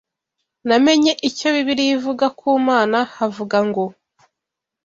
Namenye icyo Bibiliya ivuga ku Mana havuga ngo “